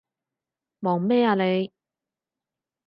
望咩啊你？